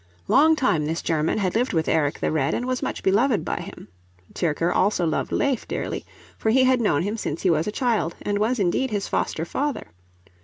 Long time this German had lived with Eric the Red and was much beloved by him. Tyrker also loved Leif dearly, for he had known him since he was a child, and was indeed his foster father.